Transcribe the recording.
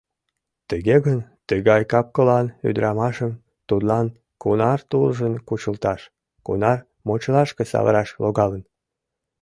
Тыге гын, тыгай кап-кылан ӱдырамашым тудлан кунар туржын кучылташ, кунар мочылашке савыраш логалын?